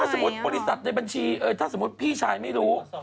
ถ้าสมมุติปฏิสัตย์ในบัญชีพี่ชายไม่รู้